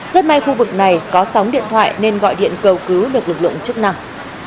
rất may khu vực này có sóng điện thoại nên gọi điện cầu cứu được lực lượng chức năng